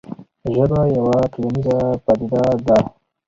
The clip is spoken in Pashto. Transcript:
ژبه یوه ټولنیزه پدیده ده.